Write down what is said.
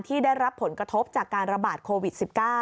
ได้รับผลกระทบจากการระบาดโควิด๑๙